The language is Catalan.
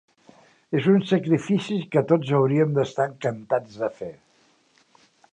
És un sacrifici que tots hauríem d'estar encantats de fer.